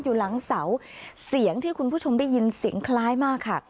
อยู่หลังเสาเสียงที่คุณผู้ชมได้ยินเสียงคล้ายมากค่ะ